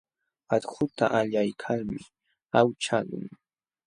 Akhuta allaykalmi awchaqlun.